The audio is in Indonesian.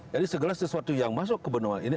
jadi segala sesuatu yang masuk ke benoa ini